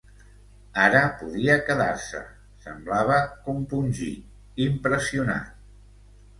Ara podia quedar-se, semblava compungit, impressionat.